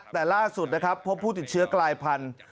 แต่ล่าสุดนะครับพบผู้ติดเชื้อกลายพันธุ์